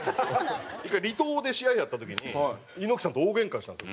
１回離島で試合あった時に猪木さんと大げんかしたんですよ